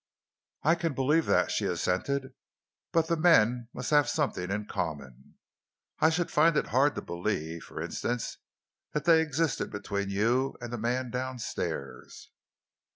"I can believe that," she assented, "but the men must have something in common. I should find it hard to believe, for instance, that they existed between you and the man downstairs."